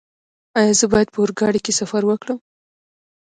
ایا زه باید په اورګاډي کې سفر وکړم؟